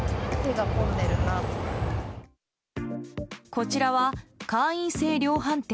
こちらは会員制量販店